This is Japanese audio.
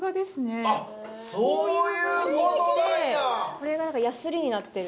これがやすりになってる？